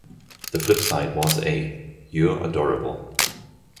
The flip side was A - You're Adorable.